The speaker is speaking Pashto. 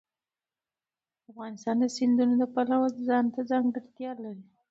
افغانستان د سیندونه د پلوه ځانته ځانګړتیا لري.